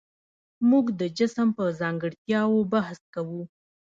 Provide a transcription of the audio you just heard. موږ د جسم په ځانګړتیاوو بحث کوو.